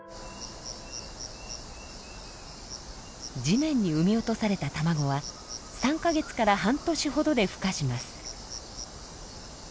地面に産み落とされた卵は３か月から半年ほどでふ化します。